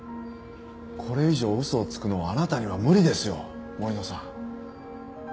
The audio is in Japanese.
これ以上嘘をつくのはあなたには無理ですよ森野さん。